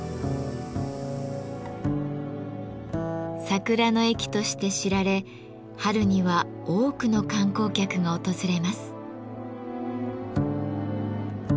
桜の駅として知られ春には多くの観光客が訪れます。